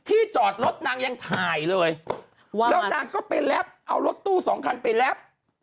จอดรถนางยังถ่ายเลยแล้วนางก็ไปแรปเอารถตู้สองคันไปรับ